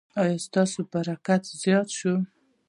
ایا ستاسو برکت به زیات شي؟